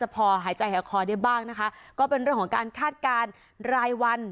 พอหายใจหายคอได้บ้างนะคะก็เป็นเรื่องของการคาดการณ์รายวัน